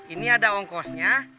ini ada ongkosnya